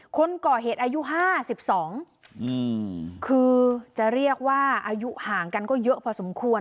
คนก่อเหตุอายุ๕๒คือจะเรียกว่าอายุห่างกันก็เยอะพอสมควร